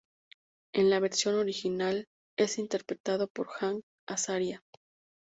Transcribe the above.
En la versión original es interpretado por Hank Azaria.